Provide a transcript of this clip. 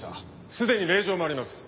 すでに令状もあります。